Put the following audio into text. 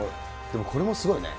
でもこれもすごいね。